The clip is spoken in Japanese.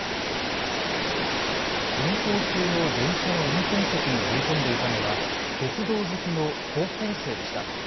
運行中の電車の運転席に乗り込んでいたのは鉄道好きの高校生でした。